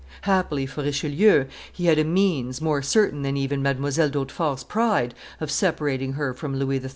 Happily for Richelieu, he had a means, more certain than even Mdlle. d'Hautefort's pride, of separating her from Louis XIII.